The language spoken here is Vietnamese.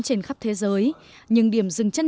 trên khắp thế giới nhưng điểm dừng chân